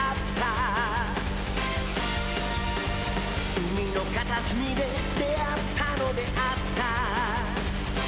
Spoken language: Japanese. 「海の片すみで出会ったのであった」